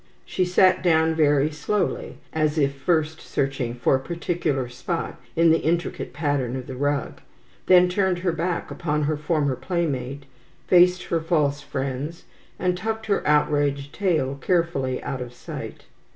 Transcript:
She sat down very slowly, as if first searching for a particular spot in the intricate pattern of the rug, turned her back upon her former playmate, faced her false friends, and tucked her outraged tail carefully out of sight.